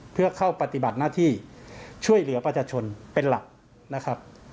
เพื่อเข้าปฏิบัติหน้าที่ช่วยเหลือประชาชนเป็นหลักนะครับ